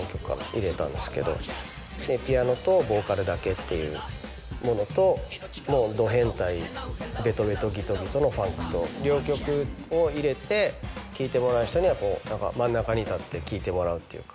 入れたんですけどピアノとボーカルだけっていうものともうド変態ベトベトギトギトのファンクと両極を入れて聴いてもらう人には何か真ん中に立って聴いてもらうっていうか